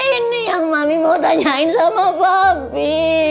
ini yang mami mau tanyain sama mabi